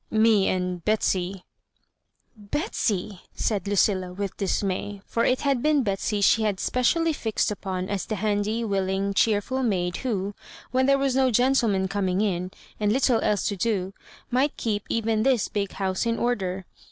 Me and Betsy "" Betsy 1" said Lucilla^ with dismay; for it had been Betsy she had specially flxed upon as the handy, willing, cheerful maid who, when there was no gentleman coming in, and little else to do, might keep even this big house in order.